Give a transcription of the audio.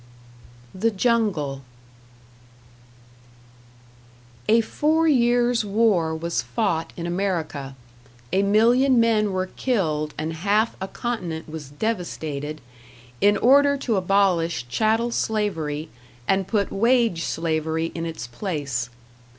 #The Jungle# A four years' war was fought in America, a million men were killed and half a continent was devastated, in order to abolish chattel slavery and put wage slavery in its place.